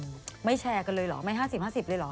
ไม่แชร์กันเลยเหรอไม่๕๐๕๐เลยเหรอ